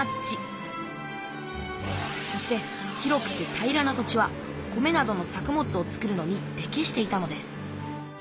そして広くて平らな土地は米などの作物を作るのにてきしていたのです。